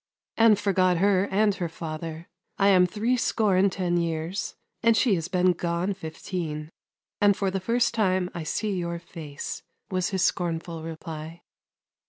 " And forgot her and her father. I am three score and ten years, and she has been gone fifteen, and for the first time I see your face," was his scornful reply.